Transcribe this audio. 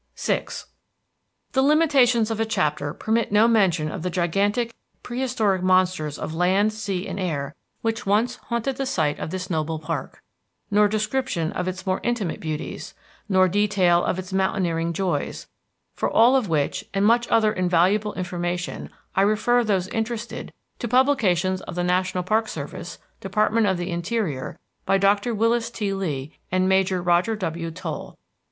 VI The limitations of a chapter permit no mention of the gigantic prehistoric monsters of land, sea, and air which once haunted the site of this noble park, nor description of its more intimate beauties, nor detail of its mountaineering joys; for all of which and much other invaluable information I refer those interested to publications of the National Park Service, Department of the Interior, by Doctor Willis T. Lee and Major Roger W. Toll.